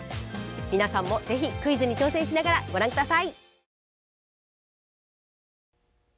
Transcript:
皆さんも是非クイズに挑戦しながらご覧ください。